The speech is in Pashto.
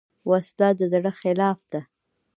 وسله د زړه خلاف ده